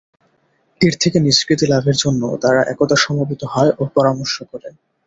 এর থেকে নিষ্কৃতি লাভের জন্যে তারা একদা সমবেত হয় ও পরামর্শ করে।